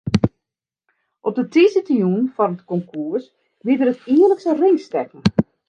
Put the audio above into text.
Op de tiisdeitejûn foar it konkoers wie der it jierlikse ringstekken.